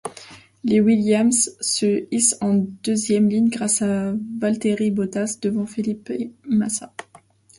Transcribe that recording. Les Williams se hissent en deuxième ligne grâce à Valtteri Bottas devant Felipe Massa.